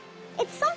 そう。